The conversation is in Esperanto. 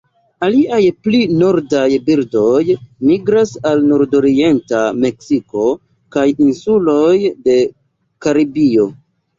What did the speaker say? Aliaj pli nordaj birdoj migras al nordorienta Meksiko kaj insuloj de Karibio.